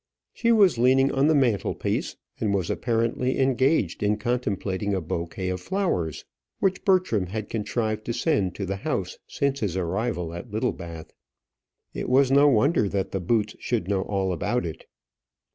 She was leaning on the mantel piece, and was apparently engaged in contemplating a bouquet of flowers which Bertram had contrived to send to the house since his arrival at Littlebath. It was no wonder that the boots should know all about it.